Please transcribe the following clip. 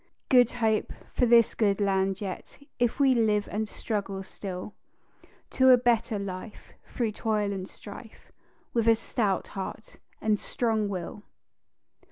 "Good Hope" for this good land yet, If we live and struggle still To a better life, through toil and strife, With a stout heart and strong will.